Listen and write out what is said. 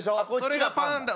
それがパンダ。